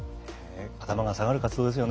頭が下がる活動ですよね。